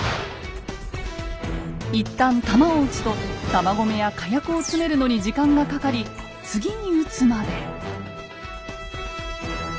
一旦弾を撃つと弾込めや火薬を詰めるのに時間がかかり次に撃つまで。